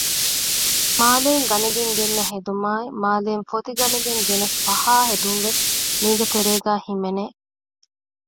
މާލެއިން ގަނެގެން ގެންނަ ހެދުމާއި މާލެއިން ފޮތި ގަނެގެން ގެނެސް ފަހާ ހެދުންވެސް މީގެ ތެރޭގައި ހިމެނެ